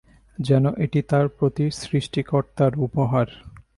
যেন এটি তার প্রতি সৃষ্টিকর্তার উপহার।